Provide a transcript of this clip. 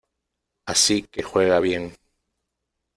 Así que juega bien.